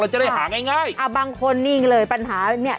จะได้หาง่ายง่ายอ่าบางคนนิ่งเลยปัญหาเนี้ย